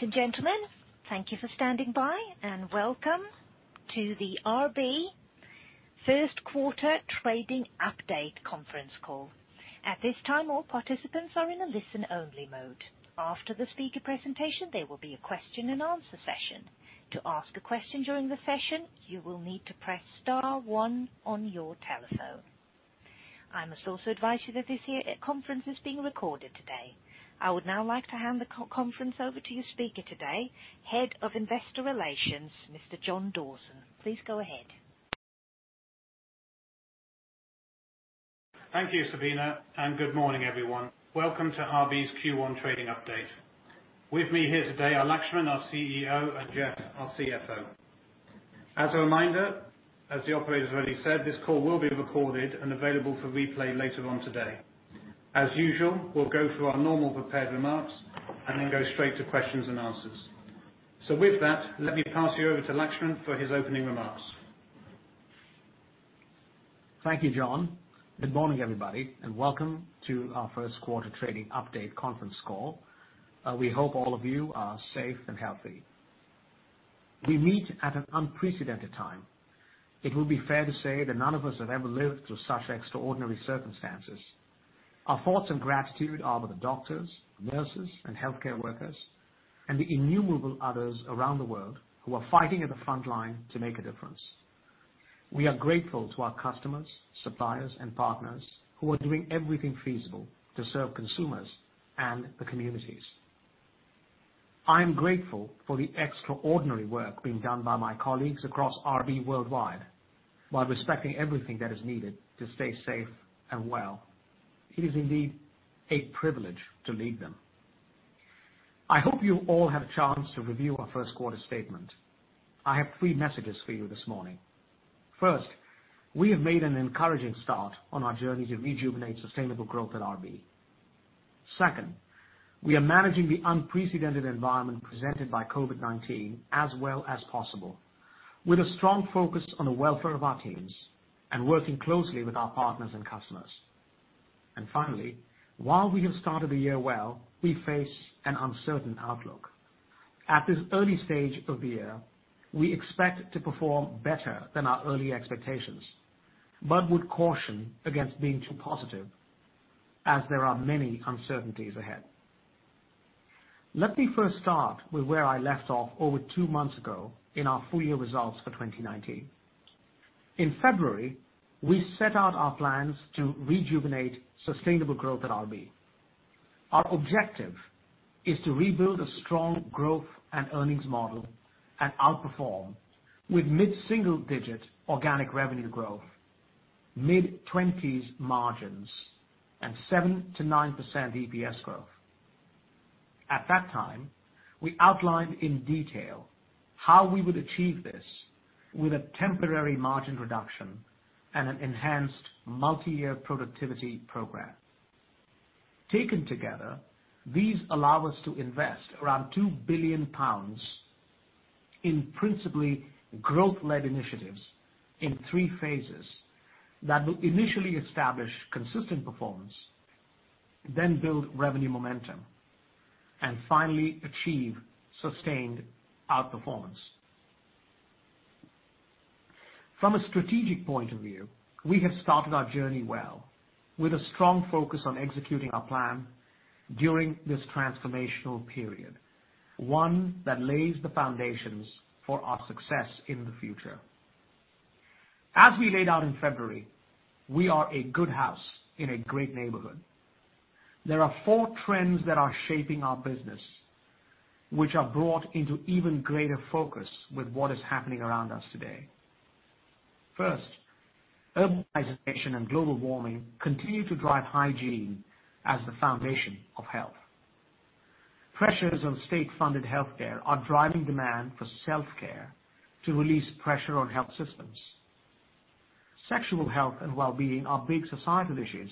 Ladies and gentlemen, thank you for standing by, and welcome to the RB Q1 trading update conference call. At this time, all participants are in a listen-only mode. After the speaker presentation, there will be a question-and-answer session. To ask a question during the session, you will need to press star one on your telephone. I must also advise you that this conference is being recorded today. I would now like to hand the conference over to your speaker today, Head of Investor Relations, Mr. Jonathan Dawson. Please go ahead. Thank you, Sabina. Good morning, everyone. Welcome to RB's Q1 trading update. With me here today are Laxman, our CEO, and Jeff, our CFO. As a reminder, as the operator already said, this call will be recorded and available for replay later on today. As usual, we'll go through our normal prepared remarks and then go straight to questions and answers. With that, let me pass you over to Laxman for his opening remarks. Thank you, Jon. Good morning, everybody, and welcome to our Q1 trading update conference call. We hope all of you are safe and healthy. We meet at an unprecedented time. It would be fair to say that none of us have ever lived through such extraordinary circumstances. Our thoughts and gratitude are with the doctors, nurses, and healthcare workers, and the innumerable others around the world who are fighting at the front line to make a difference. We are grateful to our customers, suppliers, and partners who are doing everything feasible to serve consumers and the communities. I am grateful for the extraordinary work being done by my colleagues across RB Worldwide while respecting everything that is needed to stay safe and well. It is indeed a privilege to lead them. I hope you all had a chance to review our Q1 statement. I have three messages for you this morning. First, we have made an encouraging start on our journey to rejuvenate sustainable growth at RB. Second, we are managing the unprecedented environment presented by COVID-19 as well as possible, with a strong focus on the welfare of our teams and working closely with our partners and customers. Finally, while we have started the year well, we face an uncertain outlook. At this early stage of the year, we expect to perform better than our early expectations, but would caution against being too positive as there are many uncertainties ahead. Let me first start with where I left off over two months ago in our full year results for 2019. In February, we set out our plans to rejuvenate sustainable growth at RB. Our objective is to rebuild a strong growth and earnings model and outperform with mid-single digit organic revenue growth, mid-20s margins, and 7%-9% EPS growth. At that time, we outlined in detail how we would achieve this with a temporary margin reduction and an enhanced multi-year productivity program. Taken together, these allow us to invest around 2 billion pounds in principally growth-led initiatives in three phases that will initially establish consistent performance, then build revenue momentum, and finally achieve sustained outperformance. From a strategic point of view, we have started our journey well, with a strong focus on executing our plan during this transformational period, one that lays the foundations for our success in the future. As we laid out in February, we are a good house in a great neighborhood. There are four trends that are shaping our business, which are brought into even greater focus with what is happening around us today. First, urbanization and global warming continue to drive hygiene as the foundation of health. Pressures on state-funded healthcare are driving demand for self-care to release pressure on health systems. Sexual health and wellbeing are big societal issues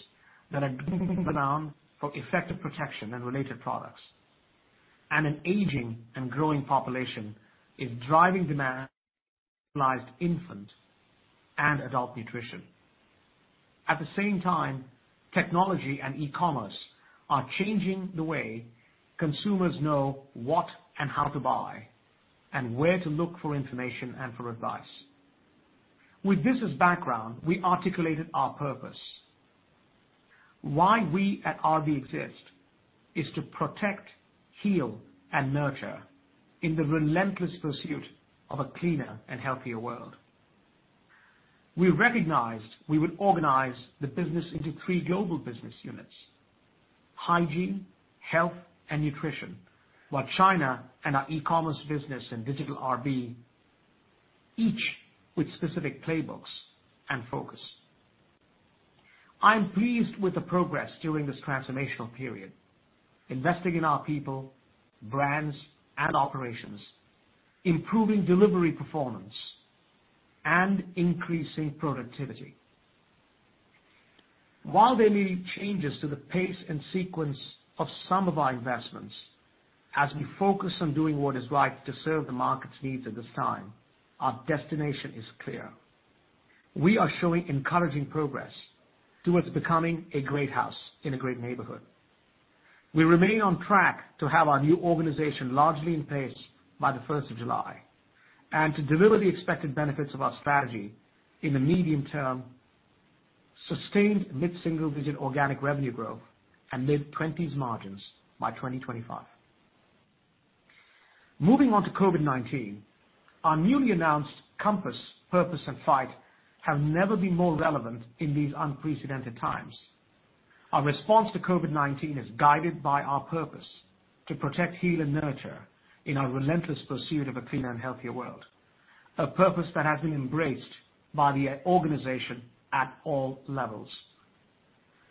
that are driving demand for effective protection and related products. An aging and growing population is driving demand for infant and adult nutrition. At the same time, technology and e-commerce are changing the way consumers know what and how to buy and where to look for information and for advice. With this as background, we articulated our purpose. Why we at RB exist is to protect, heal, and nurture in the relentless pursuit of a cleaner and healthier world. We recognized we would organize the business into three global business units: Hygiene, Health, and Nutrition, while China and our e-commerce business and digital RB each with specific playbooks and focus. I am pleased with the progress during this transformational period, investing in our people, brands, and operations, improving delivery performance, and increasing productivity. While there may be changes to the pace and sequence of some of our investments as we focus on doing what is right to serve the market's needs at this time, our destination is clear. We are showing encouraging progress towards becoming a great house in a great neighborhood. We remain on track to have our new organization largely in place by the 1st of July, and to deliver the expected benefits of our strategy in the medium term, sustained mid-single digit organic revenue growth, and mid-20s margins by 2025. Moving on to COVID-19, our newly announced compass, purpose, and fight have never been more relevant in these unprecedented times. Our response to COVID-19 is guided by our purpose to protect, heal, and nurture in our relentless pursuit of a cleaner and healthier world, a purpose that has been embraced by the organization at all levels.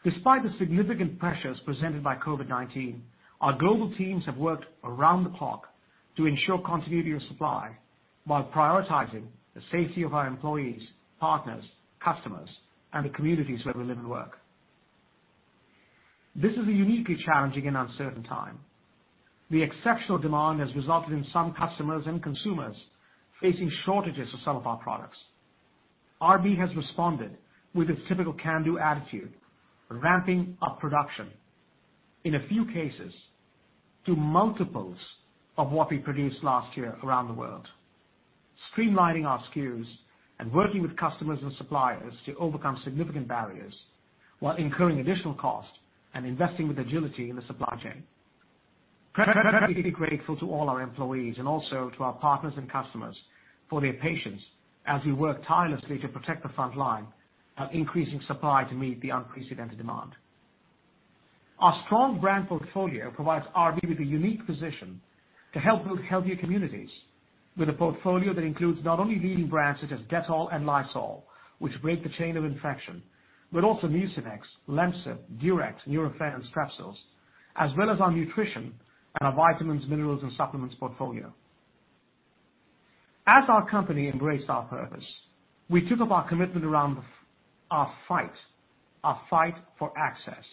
Despite the significant pressures presented by COVID-19, our global teams have worked around the clock to ensure continuity of supply while prioritizing the safety of our employees, partners, customers, and the communities where we live and work. This is a uniquely challenging and uncertain time. The exceptional demand has resulted in some customers and consumers facing shortages of some of our products. RB has responded with a typical can-do attitude, ramping up production, in a few cases, to multiples of what we produced last year around the world, streamlining our SKUs, and working with customers and suppliers to overcome significant barriers while incurring additional cost and investing with agility in the supply chain. Grateful to all our employees and also to our partners and customers for their patience as we work tirelessly to protect the front line, increasing supply to meet the unprecedented demand. Our strong brand portfolio provides RB with a unique position to help build healthier communities with a portfolio that includes not only leading brands such as Dettol and Lysol, which break the chain of infection, but also Mucinex, Lemsip, Durex, Nurofen, and Strepsils, as well as our nutrition and our vitamins, minerals, and supplements portfolio. As our company embraced our purpose, we took up our commitment around our fight, our fight for access.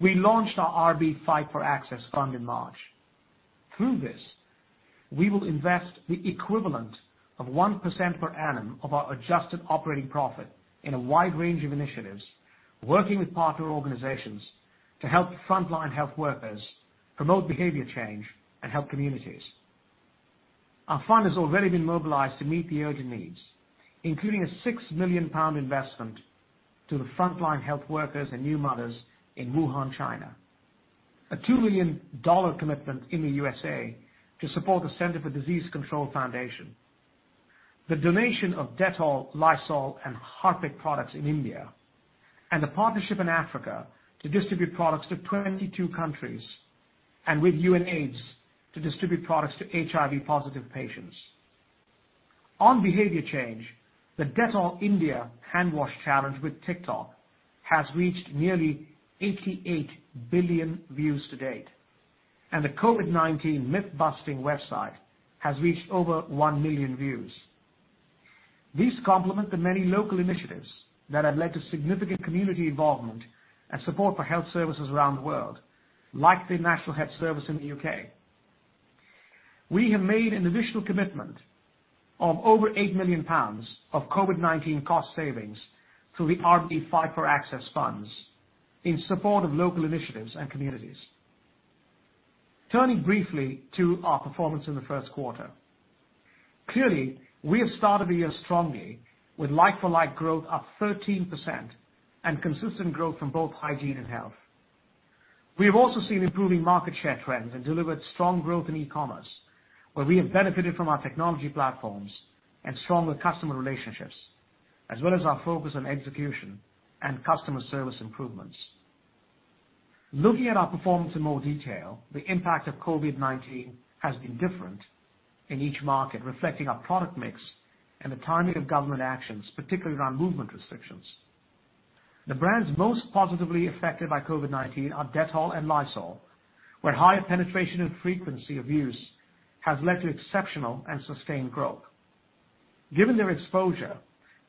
We launched our RB Fight for Access Fund in March. Through this, we will invest the equivalent of 1% per annum of our adjusted operating profit in a wide range of initiatives, working with partner organizations to help frontline health workers promote behavior change and help communities. Our fund has already been mobilized to meet the urgent needs, including a £6 million investment to the frontline health workers and new mothers in Wuhan, China. A $2 million commitment in the U.S.A. to support the CDC Foundation. The donation of Dettol, Lysol, and Harpic products in India, and a partnership in Africa to distribute products to 22 countries, and with UNAIDS to distribute products to HIV positive patients. On behavior change, the Dettol India handwash challenge with TikTok has reached nearly 88 billion views to date, and the COVID-19 myth-busting website has reached over 1 million views. These complement the many local initiatives that have led to significant community involvement and support for health services around the world, like the National Health Service in the U.K. We have made an additional commitment of over 8 million pounds of COVID-19 cost savings to the RB Fight for Access Fund in support of local initiatives and communities. Turning briefly to our performance in the Q1. Clearly, we have started the year strongly with like-for-like growth up 13% and consistent growth from both hygiene and health. We have also seen improving market share trends and delivered strong growth in e-commerce, where we have benefited from our technology platforms and stronger customer relationships, as well as our focus on execution and customer service improvements. Looking at our performance in more detail, the impact of COVID-19 has been different in each market, reflecting our product mix and the timing of government actions, particularly around movement restrictions. The brands most positively affected by COVID-19 are Dettol and Lysol, where higher penetration and frequency of use has led to exceptional and sustained growth. Given their exposure,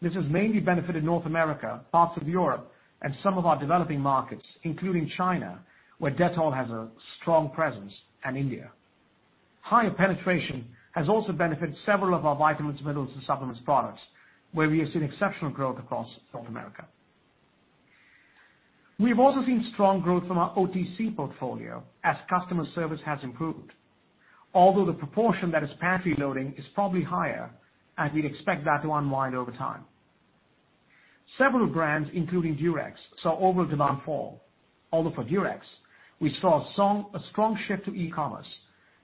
this has mainly benefited North America, parts of Europe, and some of our developing markets, including China, where Dettol has a strong presence, and India. Higher penetration has also benefited several of our vitamins, minerals, and supplements products, where we have seen exceptional growth across North America. We have also seen strong growth from our OTC portfolio as customer service has improved, although the proportion that is pantry loading is probably higher, and we'd expect that to unwind over time. Several brands, including Durex, saw overall demand fall. Although for Durex, we saw a strong shift to e-commerce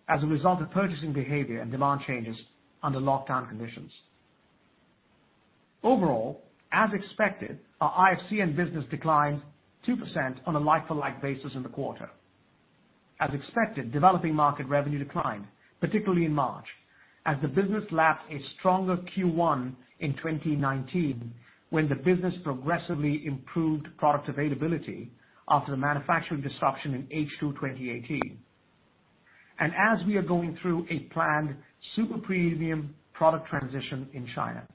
as a result of purchasing behavior and demand changes under lockdown conditions. Overall, as expected, our IFCN business declined 2% on a like-for-like basis in the quarter. As expected, developing market revenue declined, particularly in March, as the business lapped a stronger Q1 in 2019, when the business progressively improved product availability after the manufacturing disruption in H2 2018. As we are going through a planned super-premium product transition in China.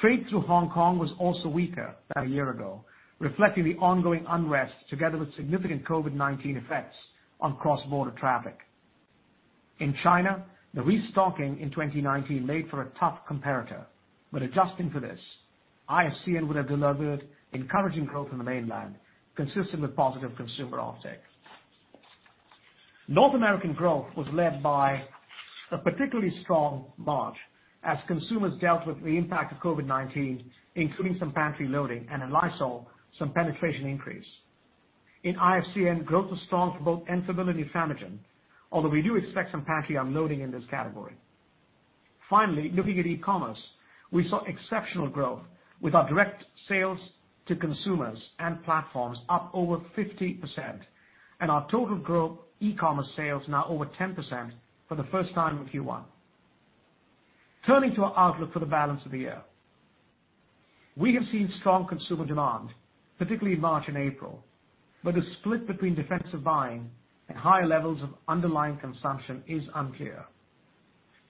Trade through Hong Kong was also weaker than a year ago, reflecting the ongoing unrest together with significant COVID-19 effects on cross-border traffic. In China, the restocking in 2019 made for a tough comparator. Adjusting for this, IFCN would have delivered encouraging growth in the mainland, consistent with positive consumer uptake. North American growth was led by a particularly strong March as consumers dealt with the impact of COVID-19, including some pantry loading, and in Lysol, some penetration increase. In IFCN, growth was strong for both Enfamil and Nutramigen, although we do expect some pantry unloading in this category. Finally, looking at e-commerce, we saw exceptional growth with our direct sales to consumers and platforms up over 50%, and our total growth e-commerce sales now over 10% for the first time in Q1. Turning to our outlook for the balance of the year. We have seen strong consumer demand, particularly in March and April, but the split between defensive buying and higher levels of underlying consumption is unclear.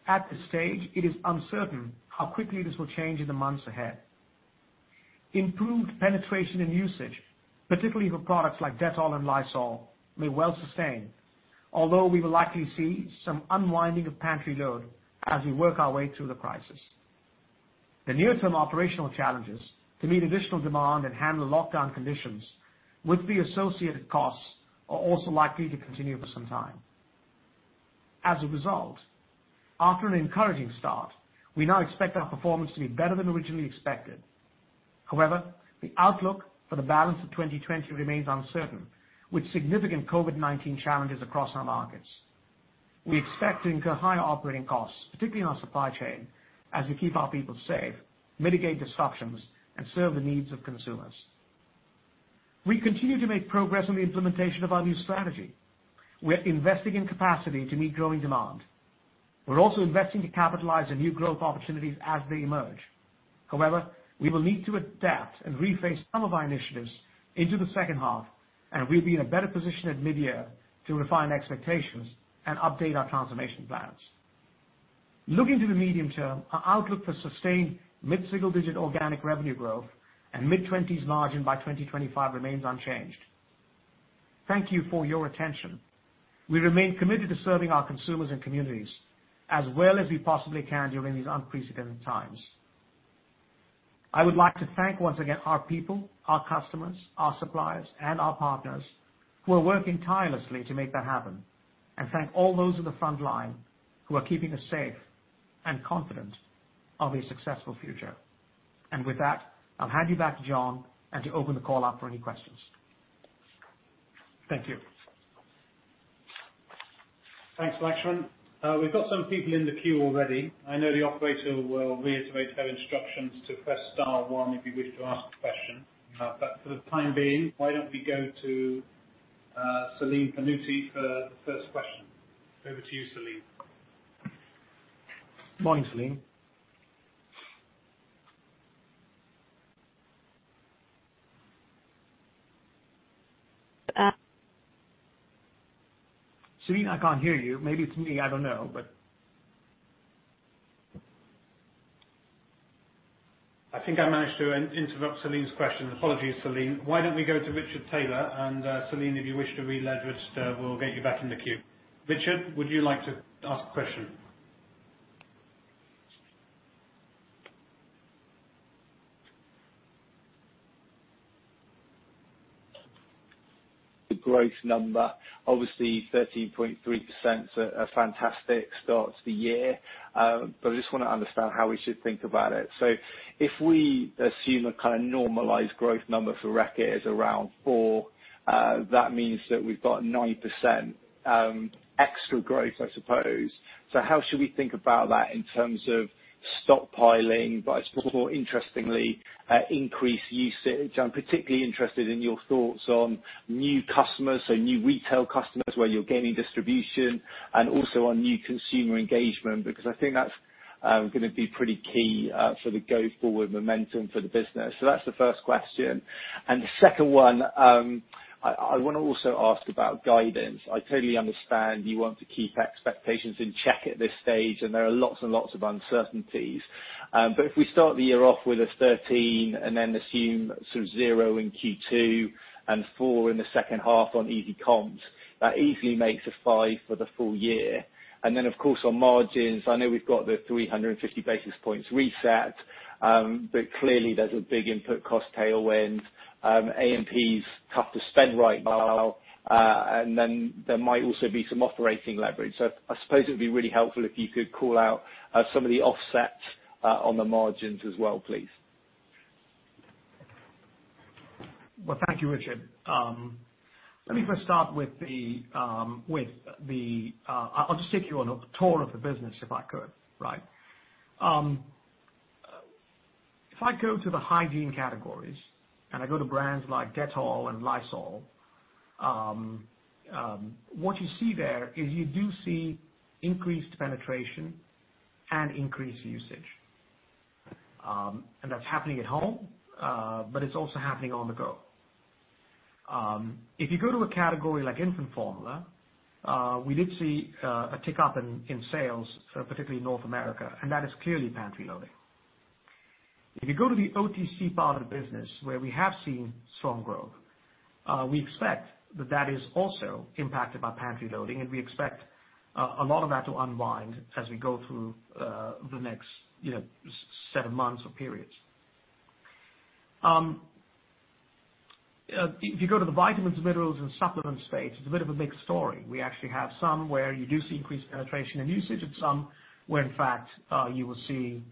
At this stage, it is uncertain how quickly this will change in the months ahead. Improved penetration and usage, particularly for products like Dettol and Lysol, may well sustain, although we will likely see some unwinding of pantry load as we work our way through the crisis. The near-term operational challenges to meet additional demand and handle lockdown conditions with the associated costs are also likely to continue for some time. As a result, after an encouraging start, we now expect our performance to be better than originally expected. However, the outlook for the balance of 2020 remains uncertain, with significant COVID-19 challenges across our markets. We expect to incur higher operating costs, particularly in our supply chain, as we keep our people safe, mitigate disruptions, and serve the needs of consumers. We continue to make progress on the implementation of our new strategy. We're investing in capacity to meet growing demand. We're also investing to capitalize on new growth opportunities as they emerge. We will need to adapt and rephase some of our initiatives into the H2, and we'll be in a better position at mid-year to refine expectations and update our transformation plans. Looking to the medium term, our outlook for sustained mid-single-digit organic revenue growth and mid-20s margin by 2025 remains unchanged. Thank you for your attention. We remain committed to serving our consumers and communities as well as we possibly can during these unprecedented times. I would like to thank once again our people, our customers, our suppliers, and our partners who are working tirelessly to make that happen. Thank all those at the front line who are keeping us safe and confident of a successful future. With that, I'll hand you back to Jon and to open the call up for any questions. Thank you. Thanks, Laxman. We've got some people in the queue already. I know the operator will reiterate her instructions to press star one if you wish to ask a question. For the time being, why don't we go to Celine Pannuti for the first question? Over to you, Celine. Morning, Celine. Celine, I can't hear you. Maybe it's me, I don't know. I think I managed to interrupt Celine's question. Apologies, Celine. Why don't we go to Richard Taylor, and Celine, if you wish to re-lodge, we'll get you back in the queue. Richard, would you like to ask a question? The growth number, obviously 13.3% is a fantastic start to the year. I just want to understand how we should think about it. If we assume a kind of normalized growth number for Reckitt is around four, that means that we've got 9% extra growth, I suppose. How should we think about that in terms of stockpiling, but more interestingly, increased usage? I'm particularly interested in your thoughts on new customers, new retail customers, where you're gaining distribution and also on new consumer engagement, because I think that's going to be pretty key for the go-forward momentum for the business. That's the first question. The second one, I want to also ask about guidance. I totally understand you want to keep expectations in check at this stage, and there are lots and lots of uncertainties. If we start the year off with a 13 and then assume sort of zero in Q2 and four in the H2 on easy comps, that easily makes a five for the full year. Of course on margins, I know we've got the 350 basis points reset, but clearly there's a big input cost tailwind. A&P's tough to spend right now. There might also be some operating leverage. I suppose it'd be really helpful if you could call out some of the offsets on the margins as well, please. Well, thank you, Richard. Let me first start with the I'll just take you on a tour of the business if I could. I go to the hygiene categories, and I go to brands like Dettol and Lysol, what you see there is you do see increased penetration and increased usage. That's happening at home, but it's also happening on the go. You go to a category like infant formula, we did see a tick-up in sales, particularly in North America, and that is clearly pantry loading. You go to the OTC part of the business, where we have seen strong growth, we expect that is also impacted by pantry loading, and we expect a lot of that to unwind as we go through the next set of months or periods. If you go to the vitamins, minerals, and supplements space, it's a bit of a big story. We actually have some where you do see increased penetration and usage, and some where, in fact, you will see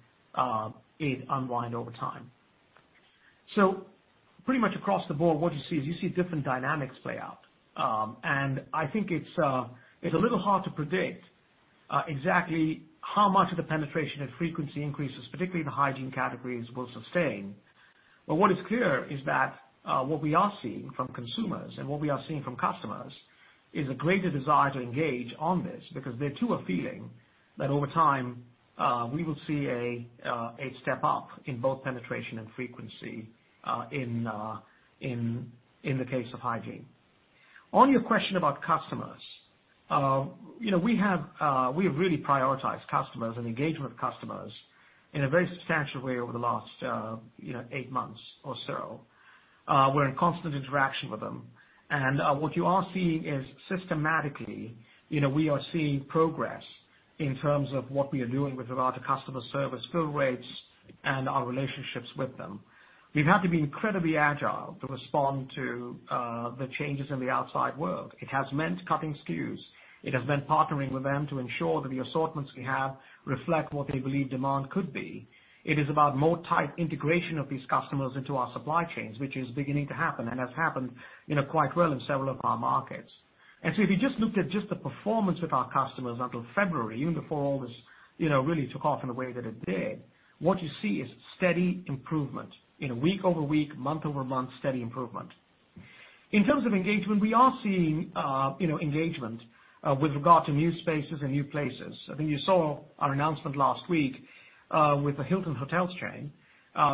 it unwind over time. Pretty much across the board, what you see is different dynamics play out. I think it's a little hard to predict exactly how much of the penetration and frequency increases, particularly in the hygiene categories, will sustain. What is clear is that what we are seeing from consumers and what we are seeing from customers is a greater desire to engage on this because they too are feeling that over time, we will see a step up in both penetration and frequency in the case of hygiene. On your question about customers. We have really prioritized customers and engagement with customers in a very substantial way over the last eight months or so. We're in constant interaction with them. What you are seeing is systematically, we are seeing progress in terms of what we are doing with regard to customer service fill rates and our relationships with them. We've had to be incredibly agile to respond to the changes in the outside world. It has meant cutting SKUs. It has meant partnering with them to ensure that the assortments we have reflect what they believe demand could be. It is about more tight integration of these customers into our supply chains, which is beginning to happen and has happened quite well in several of our markets. If you just looked at just the performance with our customers until February, even before all this really took off in the way that it did, what you see is steady improvement in week-over-week, month-over-month steady improvement. In terms of engagement, we are seeing engagement with regard to new spaces and new places. I think you saw our announcement last week with the Hilton hotels chain,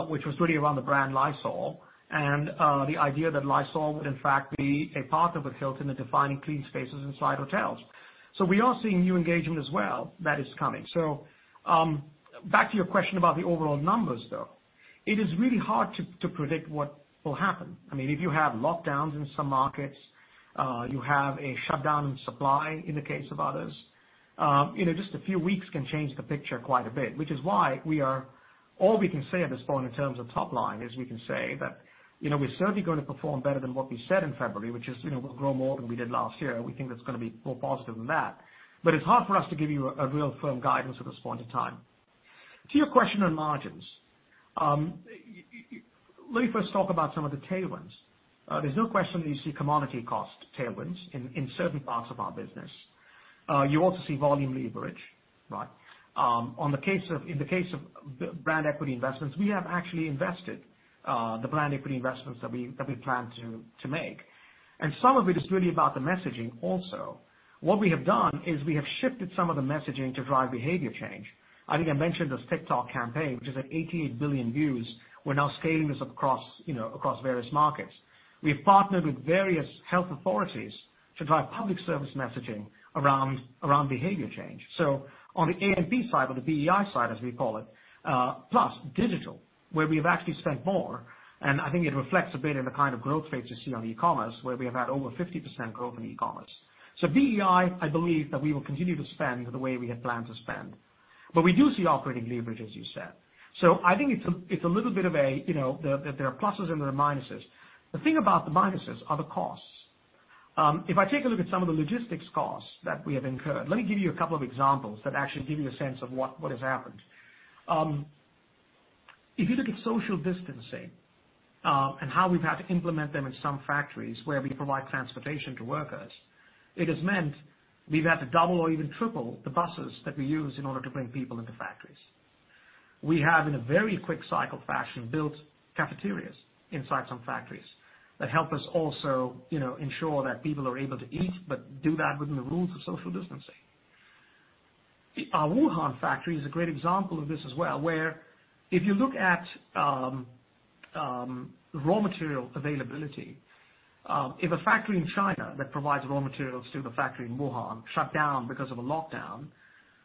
which was really around the brand Lysol and the idea that Lysol would in fact be a partner with Hilton in defining clean spaces inside hotels. We are seeing new engagement as well that is coming. Back to your question about the overall numbers, though. It is really hard to predict what will happen. If you have lockdowns in some markets, you have a shutdown in supply in the case of others. Just a few weeks can change the picture quite a bit, which is why all we can say at this point in terms of top line is we can say that we're certainly going to perform better than what we said in February, which is we'll grow more than we did last year. We think that's going to be more positive than that. It's hard for us to give you a real firm guidance at this point in time. To your question on margins. Let me first talk about some of the tailwinds. There's no question that you see commodity cost tailwinds in certain parts of our business. You also see volume leverage. In the case of brand equity investments, we have actually invested the brand equity investments that we plan to make. Some of it is really about the messaging also. What we have done is we have shifted some of the messaging to drive behavior change. I think I mentioned this TikTok campaign, which is at 88 billion views. We're now scaling this across various markets. We've partnered with various health authorities to drive public service messaging around behavior change. On the A&P side or the BEI side, as we call it, plus digital, where we have actually spent more, and I think it reflects a bit in the kind of growth rates you see on e-commerce, where we have had over 50% growth in e-commerce. BEI, I believe that we will continue to spend the way we had planned to spend. We do see operating leverage, as you said. I think it's a little bit of there are pluses and there are minuses. The thing about the minuses are the costs. If I take a look at some of the logistics costs that we have incurred, let me give you a couple of examples that actually give you a sense of what has happened. If you look at social distancing, and how we've had to implement them in some factories where we provide transportation to workers, it has meant we've had to double or even triple the buses that we use in order to bring people into factories. We have, in a very quick cycle fashion, built cafeterias inside some factories that help us also ensure that people are able to eat, but do that within the rules of social distancing. Our Wuhan factory is a great example of this as well, where if you look at raw material availability, if a factory in China that provides raw materials to the factory in Wuhan shut down because of a lockdown,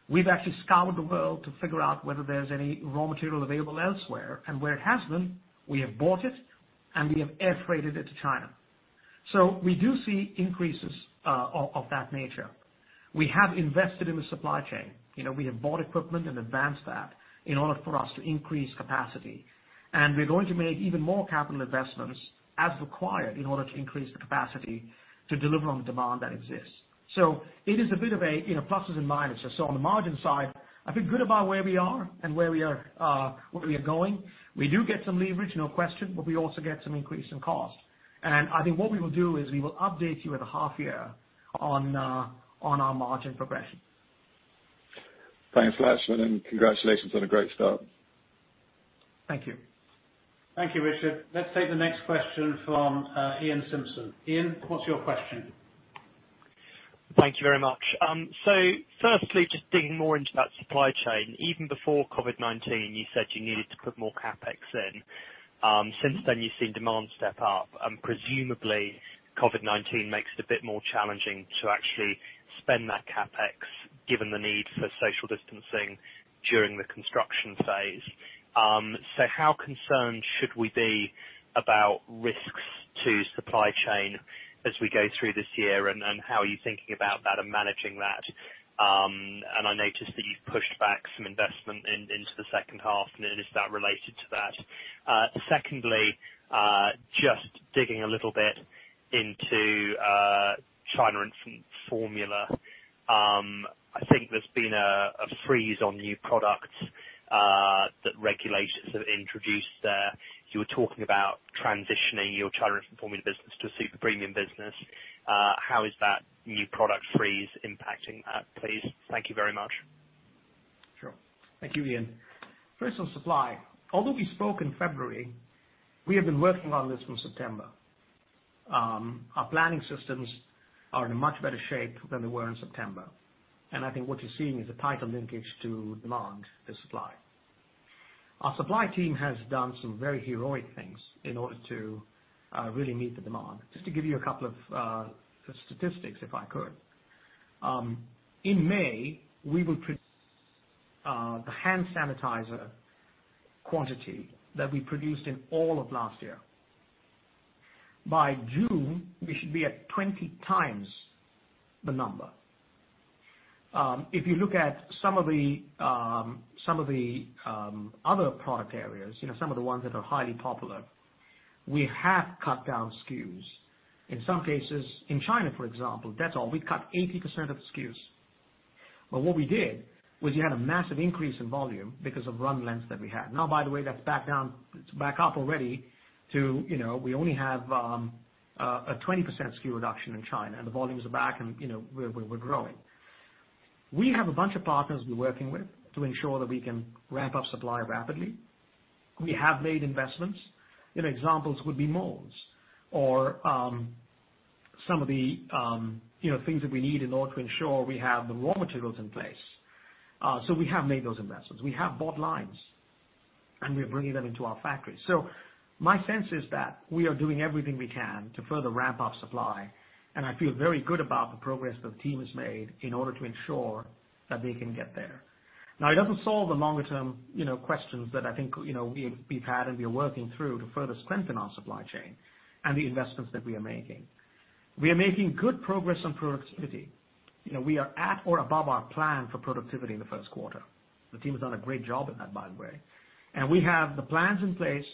we've actually scoured the world to figure out whether there's any raw material available elsewhere. Where it has been, we have bought it and we have air freighted it to China. We do see increases of that nature. We have invested in the supply chain. We have bought equipment and advanced that in order for us to increase capacity. We're going to make even more capital investments as required in order to increase the capacity to deliver on the demand that exists. It is a bit of a pluses and minuses. On the margin side, I feel good about where we are and where we are going. We do get some leverage, no question, but we also get some increase in cost. I think what we will do is we will update you at the half year on our margin progression. Thanks, Laxman, and congratulations on a great start. Thank you. Thank you, Richard. Let's take the next question from Iain Simpson. Iain, what's your question? Thank you very much. Firstly, just digging more into that supply chain. Even before COVID-19, you said you needed to put more CapEx in. Since then, you've seen demand step up. Presumably, COVID-19 makes it a bit more challenging to actually spend that CapEx, given the need for social distancing during the construction phase. How concerned should we be about risks to supply chain as we go through this year, and how are you thinking about that and managing that? I noticed that you've pushed back some investment into the H2, and is that related to that? Secondly, just digging a little bit into China infant formula. I think there's been a freeze on new products that regulators have introduced there. You were talking about transitioning your China infant formula business to a super-premium business. How is that new product freeze impacting that, please? Thank you very much. Sure. Thank you, Iain. First on supply. Although we spoke in February, we have been working on this from September. Our planning systems are in much better shape than they were in September. I think what you're seeing is a tighter linkage to demand than supply. Our supply team has done some very heroic things in order to really meet the demand. Just to give you a couple of statistics, if I could. In May, we will produce the hand sanitizer quantity that we produced in all of last year. By June, we should be at 20 times the number. If you look at some of the other product areas, some of the ones that are highly popular, we have cut down SKUs. In some cases, in China, for example, that's all. We cut 80% of SKUs. What we did, was you had a massive increase in volume because of run lengths that we had. Now, by the way, that's back up already to, we only have a 20% SKU reduction in China, and the volumes are back and we're growing. We have a bunch of partners we're working with to ensure that we can ramp up supply rapidly. We have made investments. Examples would be molds or some of the things that we need in order to ensure we have the raw materials in place. We have made those investments. We have bought lines and we are bringing them into our factory. My sense is that we are doing everything we can to further ramp up supply, and I feel very good about the progress the team has made in order to ensure that we can get there. It doesn't solve the longer-term questions that I think we've had and we are working through to further strengthen our supply chain and the investments that we are making. We are making good progress on productivity. We are at or above our plan for productivity in the Q1. The team has done a great job in that, by the way. We have the plans in place,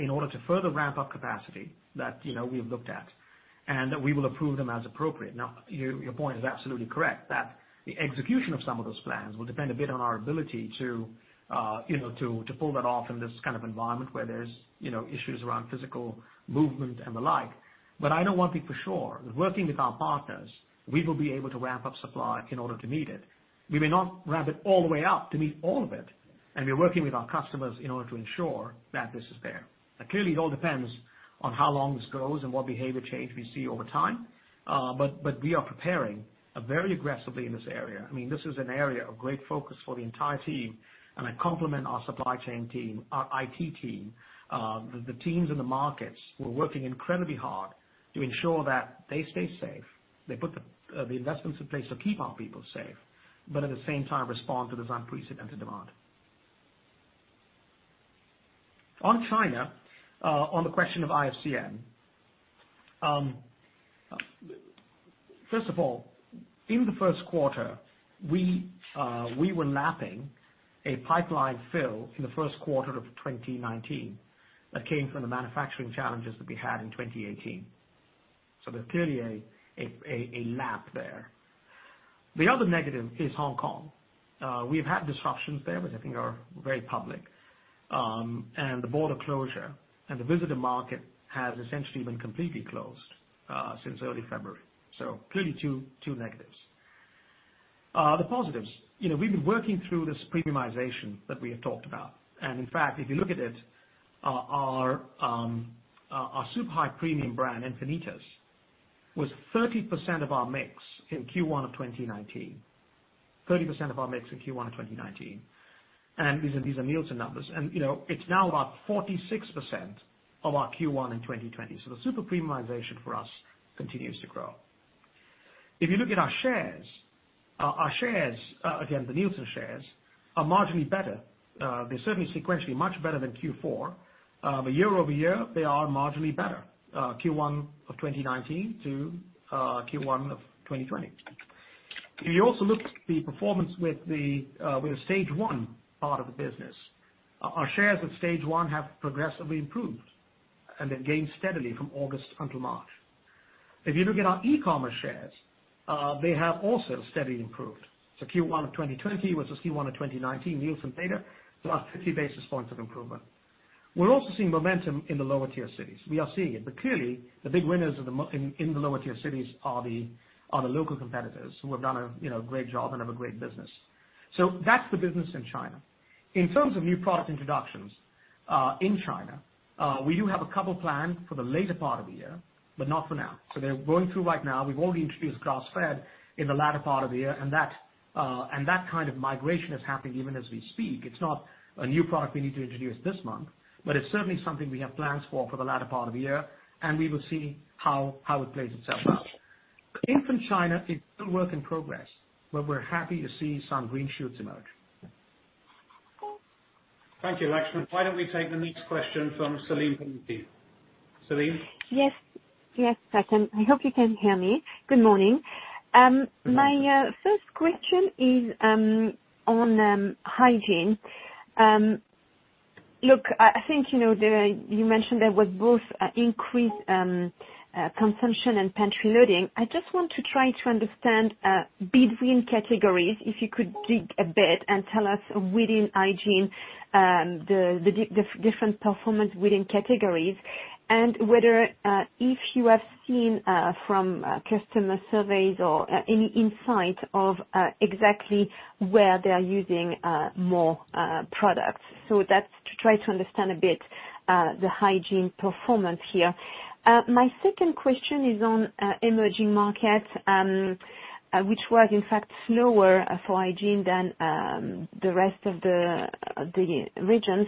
in order to further ramp up capacity that we've looked at, and that we will approve them as appropriate. Your point is absolutely correct, that the execution of some of those plans will depend a bit on our ability to pull that off in this kind of environment where there's issues around physical movement and the like. I know one thing for sure. Working with our partners, we will be able to ramp up supply in order to meet it. We may not ramp it all the way up to meet all of it, and we're working with our customers in order to ensure that this is there. Clearly, it all depends on how long this goes and what behavior change we see over time. But we are preparing very aggressively in this area. This is an area of great focus for the entire team, and I compliment our supply chain team, our IT team. The teams in the markets were working incredibly hard to ensure that they stay safe. They put the investments in place to keep our people safe, but at the same time respond to this unprecedented demand. On China, on the question of IFCN. First of all, in the Q1, we were lapping a pipeline fill in the Q1 of 2019 that came from the manufacturing challenges that we had in 2018. There's clearly a lap there. The other negative is Hong Kong. We've had disruptions there, which I think are very public. The border closure and the visitor market has essentially been completely closed since early February. Clearly two negatives. The positives. We've been working through this premiumization that we have talked about. In fact, if you look at it, our super high-premium brand, Enfinitas, was 30% of our mix in Q1 of 2019. These are Nielsen numbers. It's now about 46% of our Q1 in 2020. The super premiumization for us continues to grow. If you look at our shares, again, the Nielsen shares, are marginally better. They're certainly sequentially much better than Q4. Year-over-year, they are marginally better. Q1 of 2019 to Q1 of 2020. If you also look at the performance with the Stage 1 part of the business, our shares at Stage 1 have progressively improved and have gained steadily from August until March. If you look at our e-commerce shares, they have also steadily improved. Q1 of 2020 versus Q1 of 2019, Nielsen data plus 50 basis points of improvement. We're also seeing momentum in the lower tier cities. We are seeing it, clearly the big winners in the lower tier cities are the local competitors who have done a great job and have a great business. That's the business in China. In terms of new product introductions in China, we do have a couple planned for the later part of the year, but not for now. They're going through right now. We've already introduced grass-fed in the latter part of the year, and that kind of migration is happening even as we speak. It's not a new product we need to introduce this month, but it's certainly something we have plans for the latter part of the year, and we will see how it plays itself out. Clean from China is still work in progress, but we're happy to see some green shoots emerge. Thank you, Laxman. Why don't we take the next question from Celine from J.P. Morgan. Celine? Yes. I hope you can hear me. Good morning. My first question is on hygiene. I think you mentioned there was both increased consumption and pantry loading. I just want to try to understand between categories, if you could dig a bit and tell us within hygiene, the different performance within categories and whether if you have seen from customer surveys or any insight of exactly where they are using more products. That's to try to understand a bit the hygiene performance here. My second question is on emerging markets, which was in fact slower for hygiene than the rest of the regions.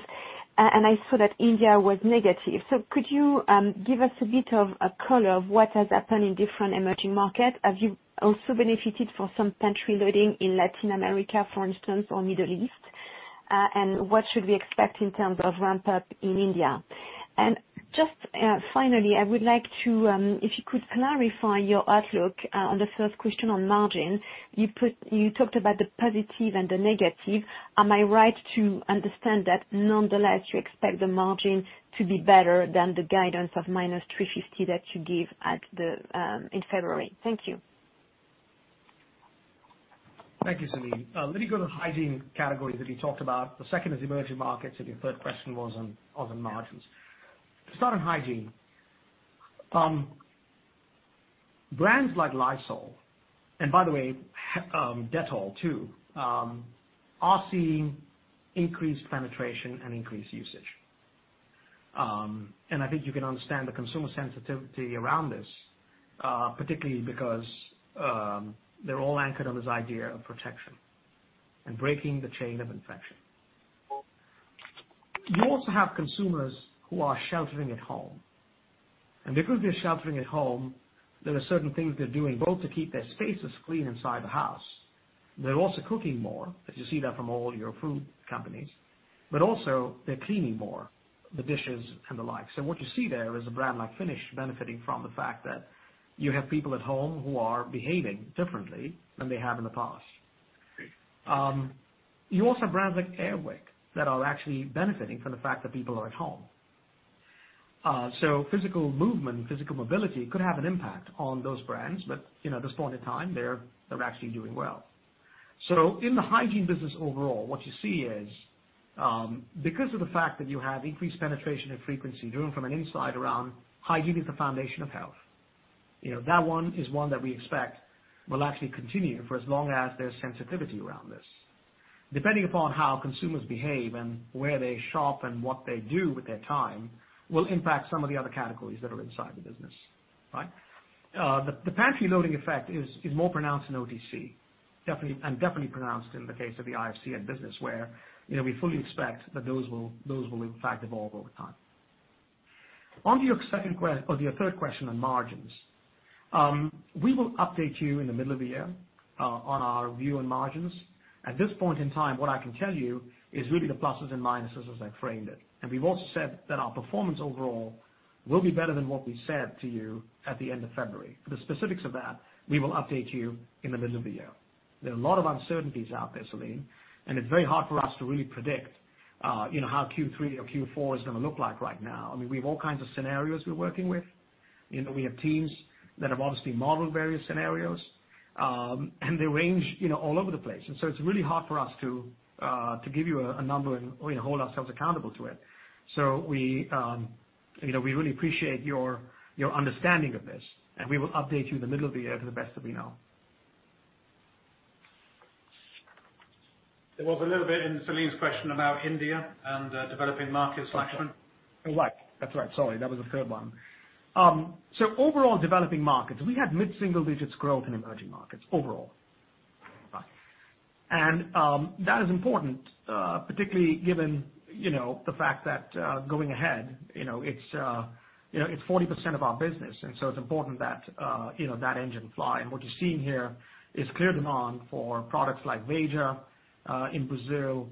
I saw that India was negative. Could you give us a bit of a color of what has happened in different emerging markets? Have you also benefited from some pantry loading in Latin America, for instance, or Middle East? What should we expect in terms of ramp up in India? Just finally, I would like to if you could clarify your outlook on the third question on margin. You talked about the positive and the negative. Am I right to understand that nonetheless, you expect the margin to be better than the guidance of -350 that you gave in February? Thank you. Thank you, Celine. Let me go to the hygiene category that you talked about. The second is emerging markets, and your third question was on margins. To start on hygiene. Brands like Lysol, and by the way, Dettol too, are seeing increased penetration and increased usage. I think you can understand the consumer sensitivity around this, particularly because they're all anchored on this idea of protection and breaking the chain of infection. You also have consumers who are sheltering at home, and because they're sheltering at home, there are certain things they're doing, both to keep their spaces clean inside the house. They're also cooking more, as you see that from all your food companies, but also they're cleaning more, the dishes and the like. What you see there is a brand like Finish benefiting from the fact that you have people at home who are behaving differently than they have in the past. You also have brands like Air Wick that are actually benefiting from the fact that people are at home. Physical movement, physical mobility could have an impact on those brands, but at this point in time, they're actually doing well. In the hygiene business overall, what you see is, because of the fact that you have increased penetration and frequency driven from an insight around hygiene is the foundation of health. That one is one that we expect will actually continue for as long as there's sensitivity around this. Depending upon how consumers behave and where they shop and what they do with their time, will impact some of the other categories that are inside the business. The pantry loading effect is more pronounced in OTC, definitely pronounced in the case of the IFCN end business, where we fully expect that those will in fact evolve over time. On to your third question on margins. We will update you in the middle of the year on our view on margins. At this point in time, what I can tell you is really the pluses and minuses as I framed it. We've also said that our performance overall will be better than what we said to you at the end of February. For the specifics of that, we will update you in the middle of the year. There are a lot of uncertainties out there, Celine, it's very hard for us to really predict how Q3 or Q4 is going to look like right now. I mean, we have all kinds of scenarios we're working with. We have teams that have obviously modeled various scenarios, and they range all over the place. It's really hard for us to give you a number and hold ourselves accountable to it. We really appreciate your understanding of this, and we will update you in the middle of the year to the best that we know. There was a little bit in Celine's question about India and developing markets, Laxman. Right. That's right. Sorry, that was the third one. Overall developing markets, we had mid-single digits growth in emerging markets overall. That is important, particularly given the fact that going ahead, it's 40% of our business, and so it's important that engine fly. What you're seeing here is clear demand for products like Veja in Brazil,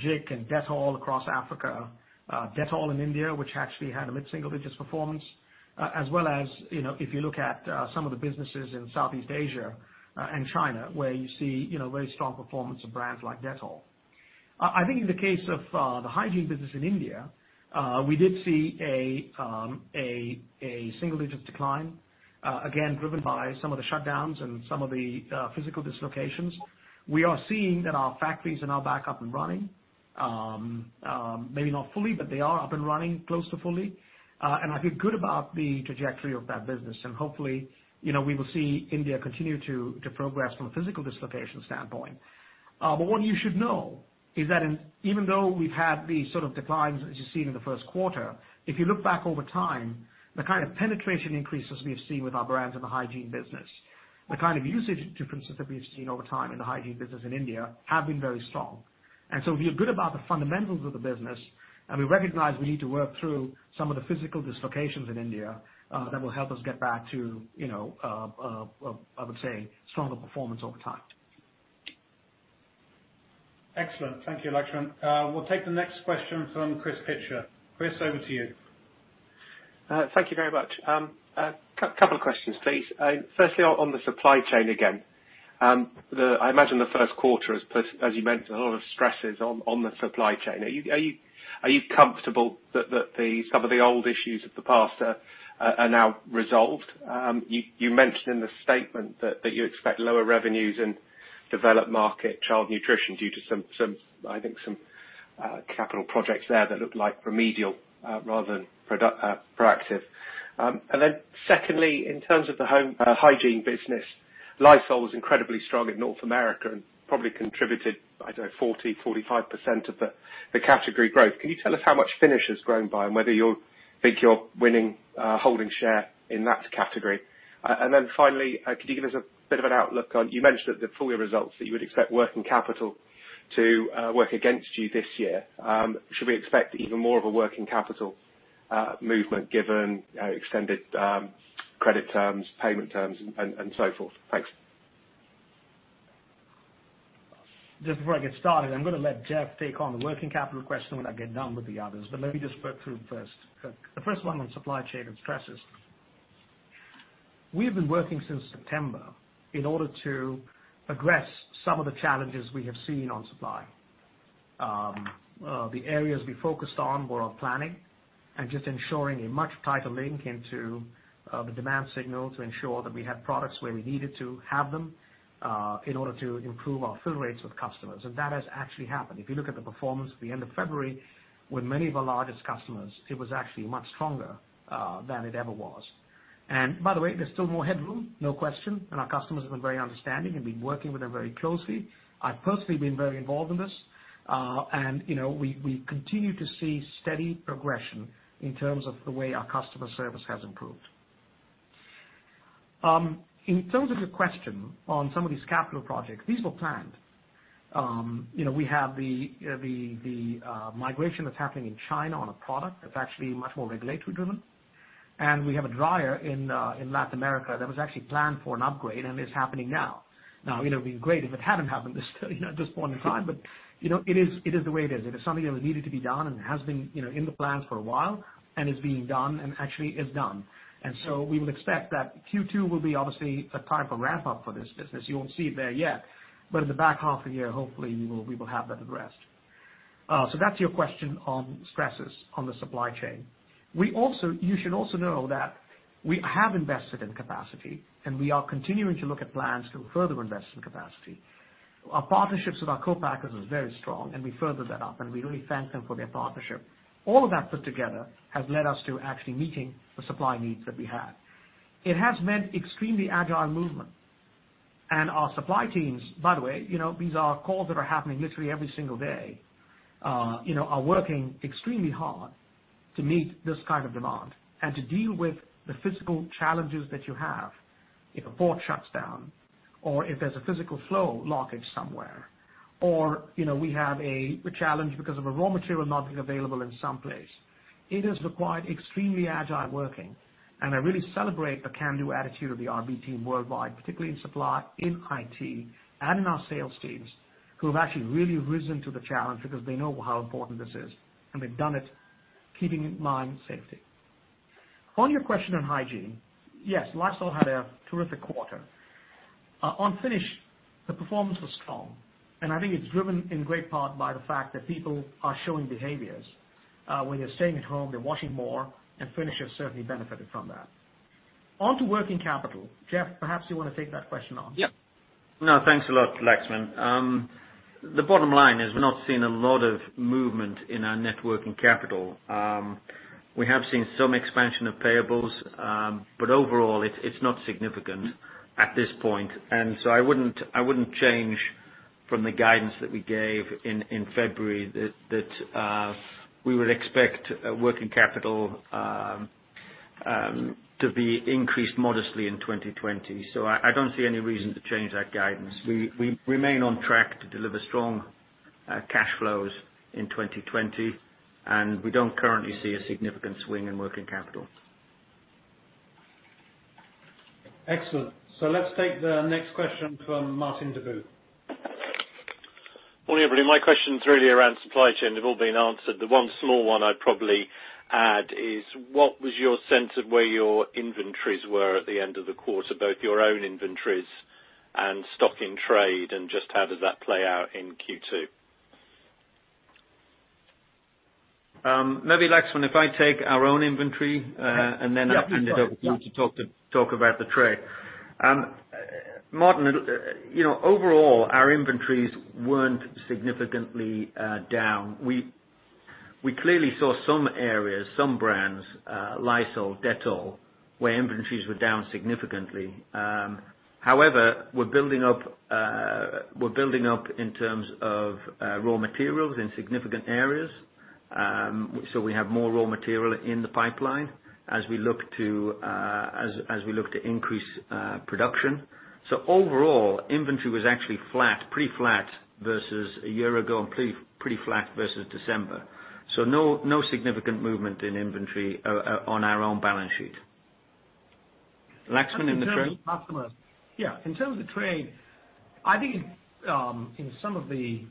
Jik and Dettol across Africa, Dettol in India, which actually had a mid-single digits performance, as well as if you look at some of the businesses in Southeast Asia and China, where you see very strong performance of brands like Dettol. I think in the case of the hygiene business in India, we did see a single-digit decline, again, driven by some of the shutdowns and some of the physical dislocations. We are seeing that our factories are now back up and running. Maybe not fully, they are up and running close to fully. I feel good about the trajectory of that business. Hopefully, we will see India continue to progress from a physical dislocation standpoint. What you should know is that even though we've had these sorts of declines, as you've seen in the Q1, if you look back over time, the kind of penetration increases we've seen with our brands in the hygiene business. The kind of usage differences that we've seen over time in the hygiene business in India have been very strong. We are good about the fundamentals of the business, and we recognize we need to work through some of the physical dislocations in India that will help us get back to, I would say, stronger performance over time. Excellent. Thank you, Laxman. We'll take the next question from Chris Pitcher. Chris, over to you. Thank you very much. Couple of questions, please. Firstly, on the supply chain again. I imagine the Q1 as you mentioned, a lot of stresses on the supply chain. Are you comfortable that some of the old issues of the past are now resolved? You mentioned in the statement that you expect lower revenues in developed market child nutrition due to, I think, some capital projects there that look like remedial rather than proactive. Secondly, in terms of the home hygiene business, Lysol was incredibly strong in North America and probably contributed, I don't know, 40%, 45% of the category growth. Can you tell us how much Finish has grown by and whether you think you're winning, holding share in that category? Finally, could you give us a bit of an outlook on, you mentioned at the full-year results that you would expect working capital to work against you this year. Should we expect even more of a working capital movement given extended credit term, payment terms, and so forth? Thanks. Just before I get started, I am going to let Jeff take on the working capital question when I get done with the others. Let me just work through first. The first one on supply chain and stresses. We have been working since September in order to address some of the challenges we have seen on supply. The areas we focused on were our planning and just ensuring a much tighter link into the demand signal to ensure that we had products where we needed to have them, in order to improve our fill rates with customers. That has actually happened. If you look at the performance at the end of February, with many of our largest customers, it was actually much stronger than it ever was. By the way, there's still more headroom, no question, and our customers have been very understanding and been working with them very closely. I've personally been very involved in this. We continue to see steady progression in terms of the way our customer service has improved. In terms of your question on some of these capital projects, these were planned. We have the migration that's happening in China on a product that's actually much more regulatory driven. We have a dryer in Latin America that was actually planned for an upgrade and is happening now. It would be great if it hadn't happened at this point in time, but it is the way it is. It is something that was needed to be done and has been in the plans for a while and is being done and actually is done. We would expect that Q2 will be obviously a time for ramp-up for this business. You won't see it there yet, but in the back half of the year, hopefully, we will have that addressed. That's your question on stresses on the supply chain. You should also know that we have invested in capacity, and we are continuing to look at plans to further invest in capacity. Our partnership with our co-packers is very strong, and we further that up, and we really thank them for their partnership. All of that put together has led us to actually meeting the supply needs that we had. It has meant extremely agile movement. Our supply teams, by the way, these are calls that are happening literally every single day, are working extremely hard to meet this kind of demand and to deal with the physical challenges that you have if a port shuts down or if there's a physical flow blockage somewhere or we have a challenge because of a raw material not being available in some place. It has required extremely agile working, and I really celebrate the can-do attitude of the RB team worldwide, particularly in supply, in IT, and in our sales teams, who have actually really risen to the challenge because they know how important this is. They've done it keeping in mind safety. On your question on hygiene, yes, Lysol had a terrific quarter. On Finish, the performance was strong, and I think it's driven in great part by the fact that people are showing behaviors. When they're staying at home, they're washing more, and Finish has certainly benefited from that. On to working capital. Jeff, perhaps you want to take that question on? Thanks a lot, Laxman. The bottom line is we're not seeing a lot of movement in our net working capital. We have seen some expansion of payables. Overall, it's not significant at this point. I wouldn't change from the guidance that we gave in February that we would expect working capital to be increased modestly in 2020. I don't see any reason to change that guidance. We remain on track to deliver strong cash flows in 2020. We don't currently see a significant swing in working capital. Excellent. Let's take the next question from Martin Deboo. Morning, everybody. My question is really around supply chain. They've all been answered. The one small one I'd probably add is what was your sense of where your inventories were at the end of the quarter, both your own inventories and stock in trade, and just how does that play out in Q2? Maybe, Laxman, if I take our own inventory- Yeah. Then I hand it over to you to talk about the trade. Martin, overall, our inventories weren't significantly down. We clearly saw some areas, some brands, Lysol, Dettol, where inventories were down significantly. However, we're building up in terms of raw materials in significant areas. We have more raw material in the pipeline as we look to increase production. Overall, inventory was actually pretty flat versus a year ago and pretty flat versus December. No significant movement in inventory on our own balance sheet. Laxman in the trade? In terms of the trade, I think in some of the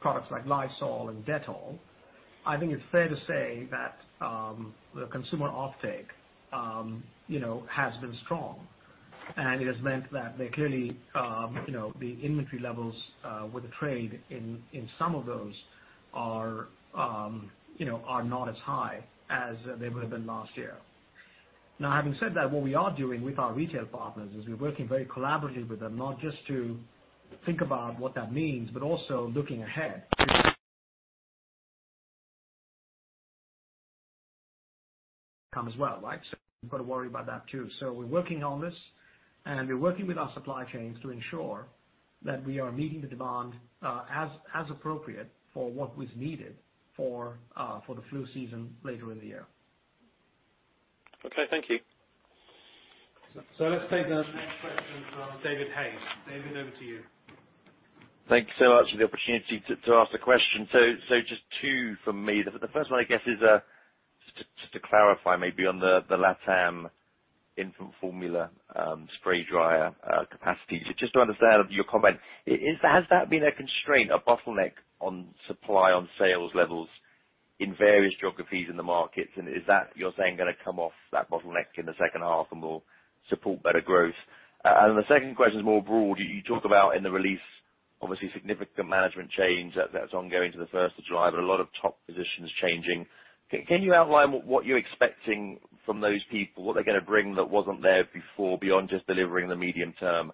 products like Lysol and Dettol, I think it's fair to say that the consumer offtake has been strong, and it has meant that the inventory levels with the trade in some of those are not as high as they would have been last year. Having said that, what we are doing with our retail partners is we're working very collaboratively with them, not just to think about what that means, but also looking ahead. Come as well, right? We've got to worry about that too. We're working on this, and we're working with our supply chains to ensure that we are meeting the demand as appropriate for what was needed for the flu season later in the year. Okay, thank you. Let's take the next question from David Hayes. David, over to you. Thank you so much for the opportunity to ask the question. Just two from me. The first one, I guess, is just to clarify maybe on the LATAM infant formula spray dryer capacity. Just to understand your comment, has that been a constraint, a bottleneck on supply, on sales levels in various geographies in the markets? Is that, you're saying, going to come off that bottleneck in the H2 and will support better growth? The second question is broader. You talk about in the release, obviously significant management change that's ongoing to the first of July, but a lot of top positions changing. Can you outline what you're expecting from those people? What they're going to bring that wasn't there before, beyond just delivering the medium-term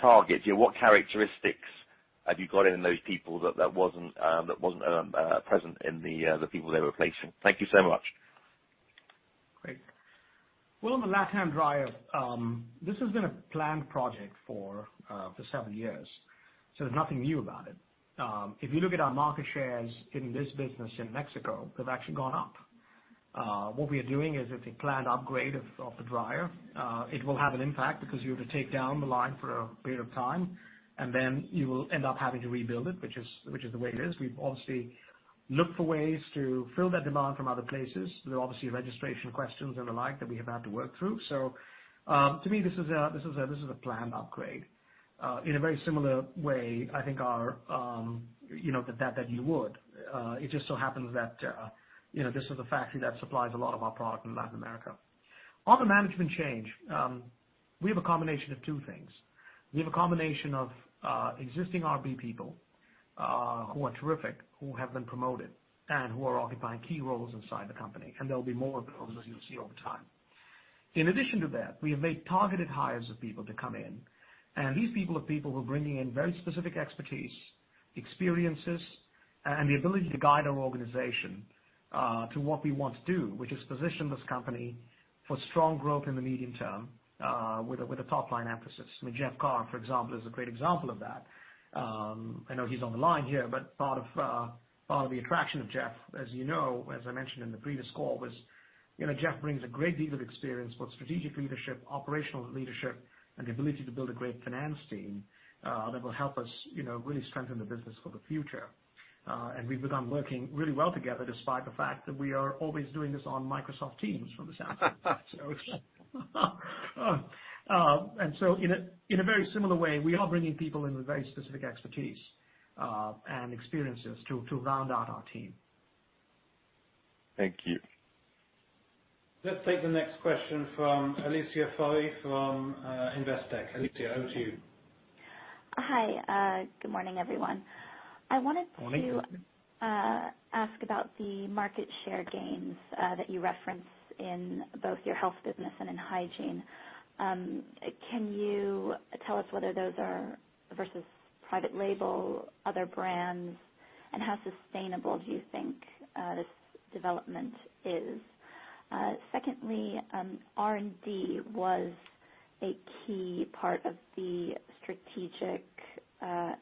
targets? What characteristics have you got in those people that wasn't present in the people they were replacing? Thank you so much. Great. Well, on the LATAM dryer, this has been a planned project for seven years. There's nothing new about it. If you look at our market shares in this business in Mexico, they've actually gone up. What we are doing is it's a planned upgrade of the dryer. It will have an impact because you have to take down the line for a period of time, and then you will end up having to rebuild it, which is the way it is. We've obviously looked for ways to fill that demand from other places. There are obviously registration questions and the like that we have had to work through. To me, this is a planned upgrade. In a very similar way, I think that you would. It just so happens that this is a factory that supplies a lot of our product in Latin America. On the management change, we have a combination of two things. We have a combination of existing RB people, who are terrific, who have been promoted, and who are occupying key roles inside the company. There'll be more of those as you'll see over time. In addition to that, we have made targeted hires of people to come in, and these people are people who are bringing in very specific expertise, experiences, and the ability to guide our organization to what we want to do, which is position this company for strong growth in the medium term with a top-line emphasis. I mean, Jeff Carr, for example, is a great example of that. I know he's on the line here, part of the attraction of Jeff, as you know, as I mentioned in the previous call, was Jeff brings a great deal of experience, both strategic leadership, operational leadership, and the ability to build a great finance team that will help us really strengthen the business for the future. We've begun working really well together despite the fact that we are always doing this on Microsoft Teams from the sound of it. In a very similar way, we are bringing people in with very specific expertise and experiences to round out our team. Thank you. Let's take the next question from Alicia Forry from Investec. Alicia, over to you. Hi. Good morning, everyone. Morning. I wanted to ask about the market share gains that you referenced in both your health business and in hygiene. Can you tell us whether those are versus private label, other brands, and how sustainable do you think this development is? Secondly, R&D was a key part of the strategic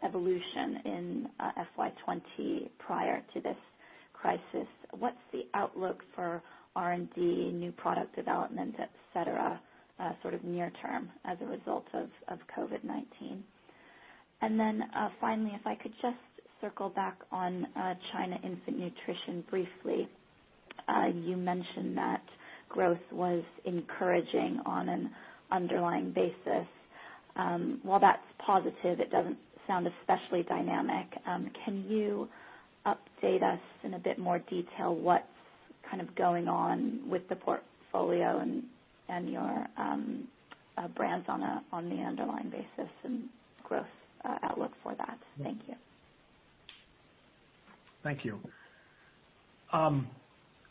evolution in FY 2020 prior to this crisis. What's the outlook for R&D, new product development, et cetera, sort of near term as a result of COVID-19? Then finally, if I could just circle back on China Infant Nutrition briefly. You mentioned that growth was encouraging on an underlying basis. While that's positive, it doesn't sound especially dynamic. Can you update us in a bit more detail what's kind of going on with the portfolio and your brands on the underlying basis and growth outlook for that? Thank you. Thank you.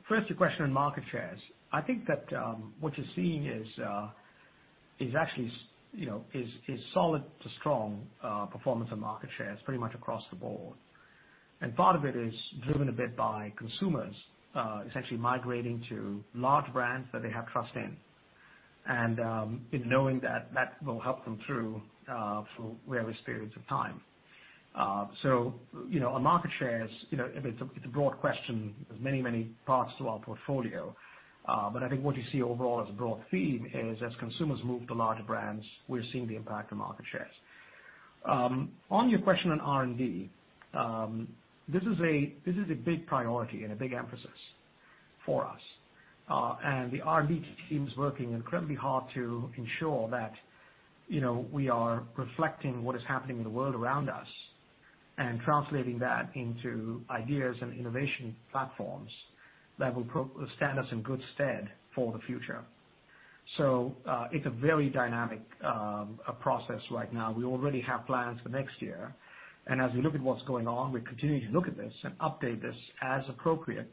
First, your question on market shares. I think that what you're seeing is actually solid to strong performance on market shares pretty much across the board. Part of it is driven a bit by consumers. It's actually migrating to large brands that they have trust in. In knowing that that will help them through various periods of time. On market shares, it's a broad question. There's many, many parts to our portfolio. I think what you see overall as a broad theme is, as consumers move to larger brands, we're seeing the impact on market shares. On your question on R&D, this is a big priority and a big emphasis for us. The R&D team's working incredibly hard to ensure that we are reflecting what is happening in the world around us and translating that into ideas and innovation platforms that will stand us in good stead for the future. It's a very dynamic process right now. We already have plans for next year. As we look at what's going on, we're continuing to look at this and update this as appropriate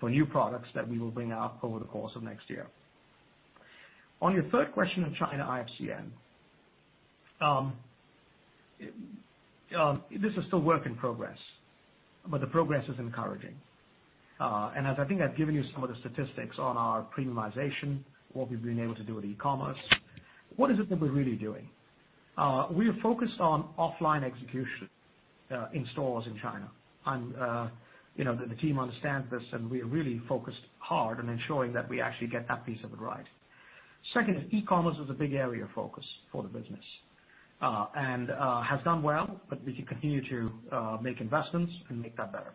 for new products that we will bring out over the course of next year. On your third question on China IFCN. This is still work in progress, but the progress is encouraging. As I think I've given you some of the statistics on our premiumization, what we've been able to do with e-commerce, what is it that we're really doing? We are focused on offline execution in stores in China. The team understands this, and we are really focused hard on ensuring that we actually get that piece of it right. Second is e-commerce is a big area of focus for the business, and has done well, but we can continue to make investments and make that better.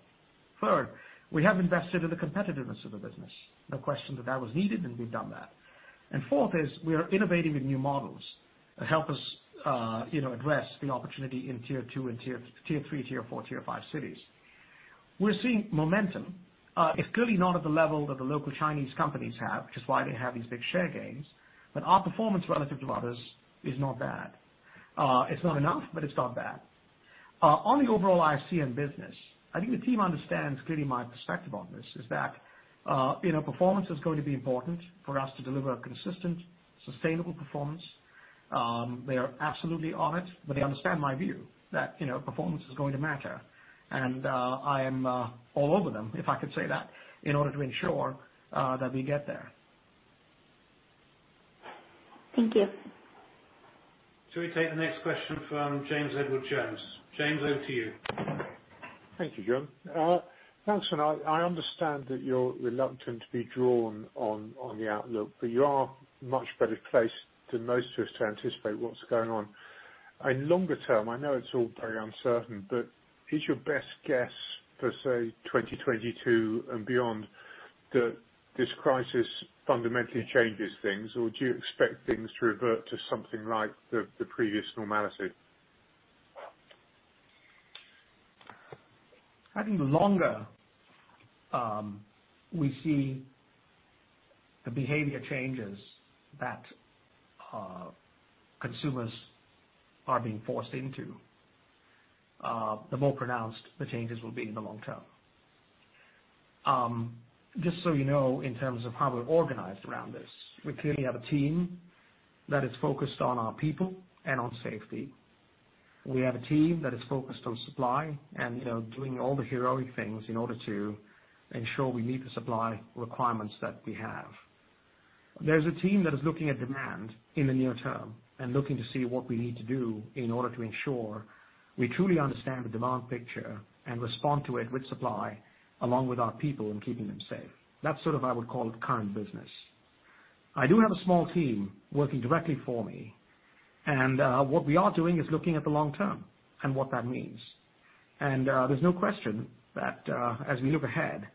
Third, we have invested in the competitiveness of the business. No question that that was needed, and we've done that. Fourth is, we are innovating with new models that help us address the opportunity in tier 2 and tier 3, tier 4, tier 5 cities. We're seeing momentum. It's clearly not at the level that the local Chinese companies have, which is why they have these big share gains, but our performance relative to others is not bad. It's not enough, but it's not bad. On the overall IFCN business, I think the team understands clearly my perspective on this is that performance is going to be important for us to deliver a consistent, sustainable performance. They are absolutely on it; they understand my view that performance is going to matter. I am all over them, if I could say that, in order to ensure that we get there. Thank you. Shall we take the next question from James Edwardes Jones? James, over to you. Thank you, June. Laxman, I understand that you're reluctant to be drawn on the outlook, but you are much better placed than most of us to anticipate what's going on. Longer term, I know it's all very uncertain, but is your best guess for, say, 2022 and beyond that this crisis fundamentally changes things, or do you expect things to revert to something like the previous normality? I think the longer we see the behavior changes that consumers are being forced into, the more pronounced the changes will be in the long term. Just so you know, in terms of how we're organized around this, we clearly have a team that is focused on our people and on safety. We have a team that is focused on supply and doing all the heroic things in order to ensure we meet the supply requirements that we have. There's a team that is looking at demand in the near term and looking to see what we need to do in order to ensure we truly understand the demand picture and respond to it with supply, along with our people and keeping them safe. That's sort of I would call the current business. I do have a small team working directly for me and, what we are doing is looking at the long term and what that means. There's no question that, as we look ahead,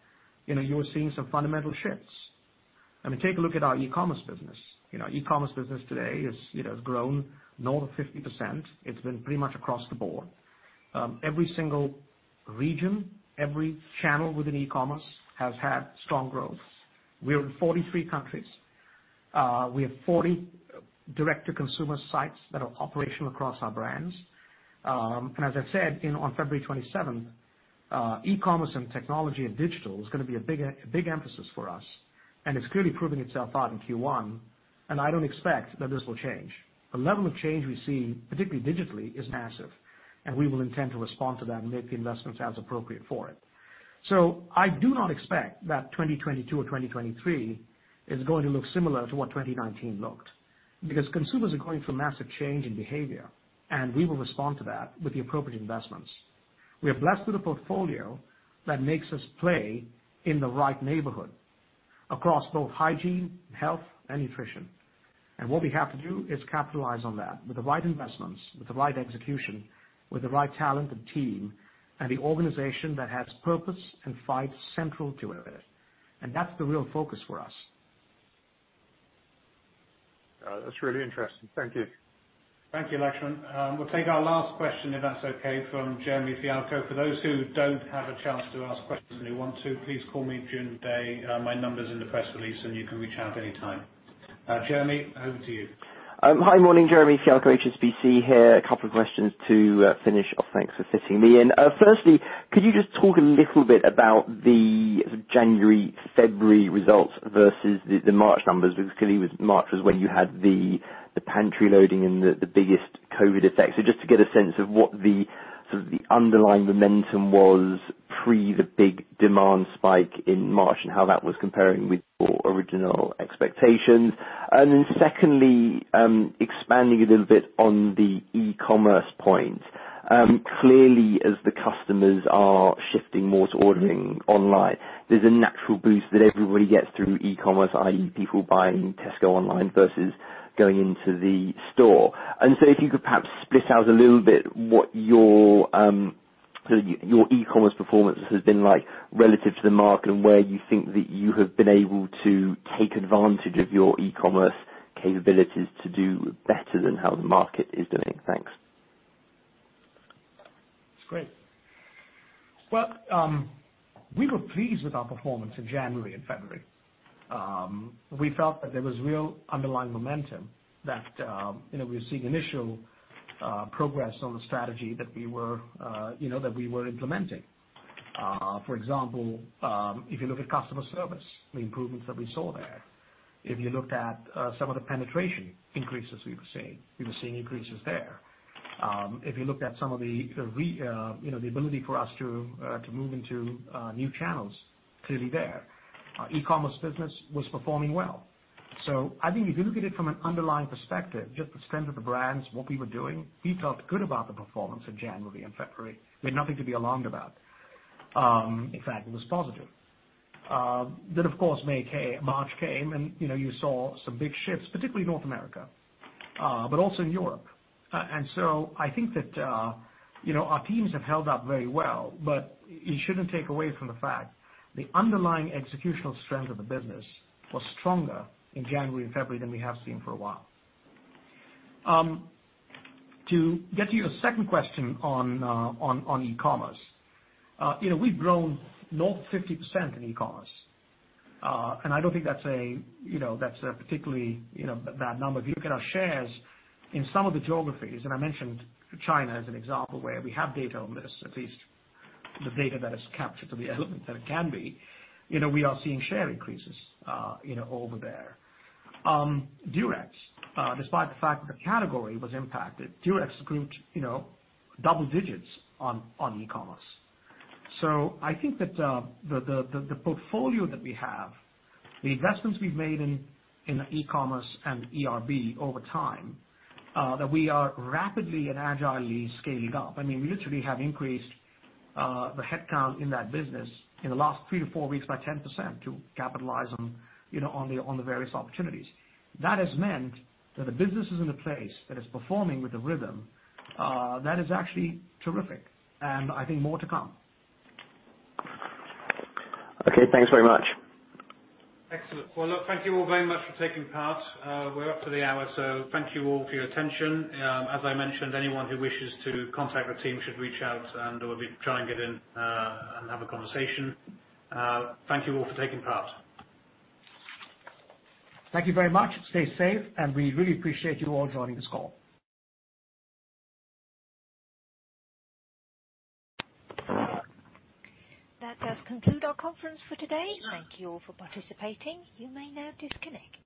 you are seeing some fundamental shifts. Take a look at our e-commerce business. E-commerce business today has grown north of 50%. It's been pretty much across the board. Every single region, every channel within e-commerce has had strong growth. We are in 43 countries. We have 40 direct-to-consumer sites that are operational across our brands. As I said on February 27th, e-commerce and technology and digital is going to be a big emphasis for us, and it's clearly proving itself out in Q1, and I don't expect that this will change. The level of change we see, particularly digitally, is massive, and we will intend to respond to that and make the investments as appropriate for it. I do not expect that 2022 or 2023 is going to look similar to what 2019 looked. Consumers are going through massive change in behavior, and we will respond to that with the appropriate investments. We are blessed with a portfolio that makes us play in the right neighborhood across both hygiene, health, and nutrition. What we have to do is capitalize on that with the right investments, with the right execution, with the right talent and team, and the organization that has purpose and fight central to it. That's the real focus for us. That's really interesting. Thank you. Thank you, Laxman. We'll take our last question, if that's okay, from Jeremy Fialko. For those who don't have a chance to ask questions and who want to, please call me during the day. My numbers in the press release, and you can reach out anytime. Jeremy, over to you. Hi. Morning, Jeremy Fialko, HSBC here. A couple of questions to finish off. Thanks for fitting me in. Firstly, could you just talk a little bit about the January, February results versus the March numbers? Clearly March was when you had the pantry loading and the biggest COVID-19 effect. Just to get a sense of what the underlying momentum was pre the big demand spike in March, and how that was comparing with your original expectations. Secondly, expanding a little bit on the e-commerce point. Clearly, as the customers are shifting more to ordering online, there’s a natural boost that everybody gets through e-commerce, i.e., people buying Tesco online versus going into the store. If you could perhaps split out a little bit what your e-commerce performance has been like relative to the market, and where you think that you have been able to take advantage of your e-commerce capabilities to do better than how the market is doing. Thanks. Great. Well, we were pleased with our performance in January and February. We felt that there was real underlying momentum that we were seeing initial progress on the strategy that we were implementing. For example, if you look at customer service, the improvements that we saw there. If you looked at some of the penetration increases, we were seeing increases there. If you looked at some of the ability for us to move into new channels, clearly there. Our e-commerce business was performing well. I think if you look at it from an underlying perspective, just the strength of the brands, what we were doing, we felt good about the performance in January and February. We had nothing to be alarmed about. In fact, it was positive. Of course, March came, and you saw some big shifts, particularly in North America. Also, in Europe. I think that our teams have held up very well, but you shouldn't take away from the fact the underlying executional strength of the business was stronger in January and February than we have seen for a while. To get to your second question on e-commerce. We've grown north of 50% in e-commerce. I don't think that's a particularly bad number. If you look at our shares in some of the geographies, and I mentioned China as an example, where we have data on this, at least the data that is captured, or the element that it can be, we are seeing share increases over there. Durex, despite the fact that the category was impacted, Durex grew double digits on e-commerce. I think that the portfolio that we have, the investments we've made in e-commerce and eRB over time, that we are rapidly and agilely scaling up. We literally have increased the headcount in that business in the last three to four weeks by 10% to capitalize on the various opportunities. That has meant that the business is in a place that is performing with a rhythm that is actually terrific, and I think more to come. Okay, thanks very much. Excellent. Well, look, thank you all very much for taking part. We're up to the hour. Thank you all for your attention. As I mentioned, anyone who wishes to contact the team should reach out. We'll be trying to get in and have a conversation. Thank you all for taking part. Thank you very much. Stay safe, and we really appreciate you all joining this call. That does conclude our conference for today. Thank you all for participating. You may now disconnect.